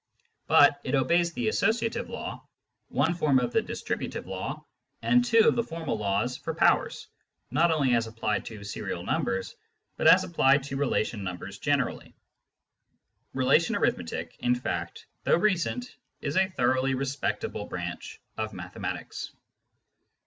But it obeys the associative law, one form of the distributive law, and two of the formal laws for powers, not only as applied to serial numbers, but as applied to relation numbers generally. Relation arithmetic, in fact, though recent, is a thoroughly respectable branch of mathematics.